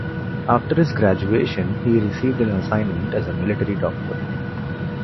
After his graduation, he received an assignment as a military doctor.